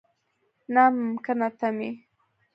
نا ممکنه تمې.